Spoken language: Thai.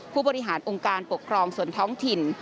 ผู้บริหารองค์การปกครองส่วนท้องถิ่น